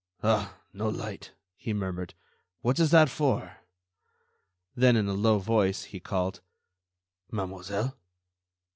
"Ah! no light," he murmured. "What is that for?" Then, in a low voice, he called: "Mademoiselle?"